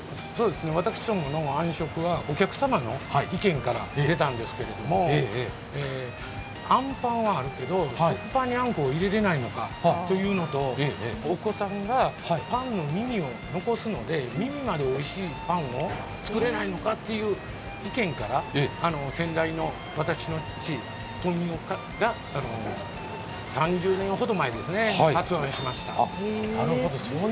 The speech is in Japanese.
私どものあん食はお客様の意見から出たんですけれども、あんパンはあるけど、食パンにあんこを入れれないのかというのとお子さんがパンの耳を残すので耳までおいしいパンを作れないのかという意見から、先代の私の父、富雄が３０年ほど前作りました。